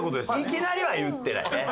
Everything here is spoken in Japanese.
いきなりは言ってないね。